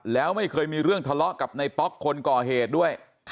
แล้วไม่เคยมีเรื่องทะเลาะกับในป๊อกคนก่อเหตุด้วย